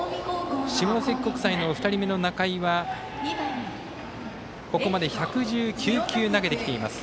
下関国際の２人目の仲井はここまで１１９球投げています。